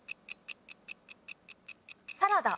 サラダ。